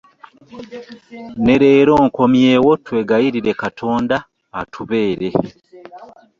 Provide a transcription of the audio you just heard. Ne leero nkomyewo twegayirire Katonda atubeere.